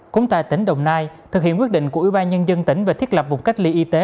cũng tại tỉnh đồng nai thực hiện quyết định của ủy ban nhân dân tỉnh về thiết lập vùng cách ly y tế